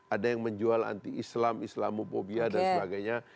ada yang menjual anti islam islamophobia dan sebagainya